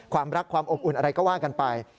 ความรักความอบอุ่นอะไรก็ว่ากันไป